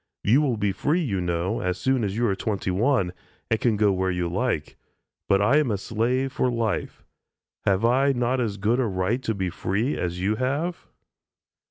You will be free, you know, as soon as you are twenty one, and can go where you like, but I am a slave for life. Have I not as good a right to be free as you have?"